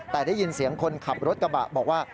แต่ได้ยินเสียงคนขับรถกระบะบอกว่า